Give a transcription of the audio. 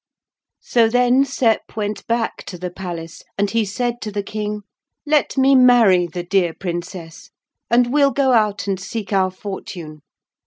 So then Sep went back to the palace, and he said to the King: 'Let me marry the dear Princess, and we'll go out and seek our fortune.